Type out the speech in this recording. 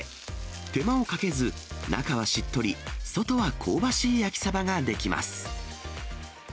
手間をかけず、中はしっとり、外は香ばしい焼きサバが出来ます。